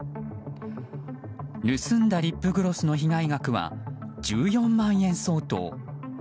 盗んだリップグロスの被害額は１４万円相当。